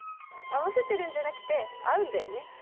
合わせてるんじゃなくて、合うんだよね。